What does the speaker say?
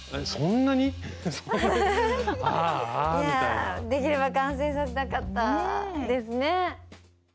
いやできれば完成させたかったですね！